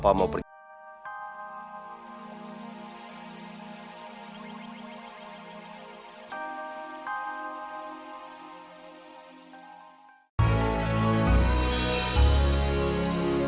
aku mau pergi ke rumah